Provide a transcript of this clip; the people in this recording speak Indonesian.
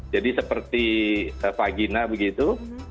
jadi seperti vagina begitu